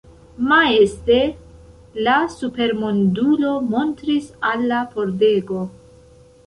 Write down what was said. Majeste la supermondulo montris al la pordego.